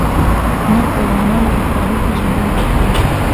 نفت د افغانانو د فرهنګي پیژندنې برخه ده.